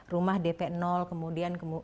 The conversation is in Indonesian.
rumah dp kemudian